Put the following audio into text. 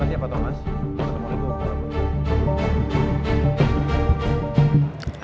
assalamualaikum warahmatullahi wabarakatuh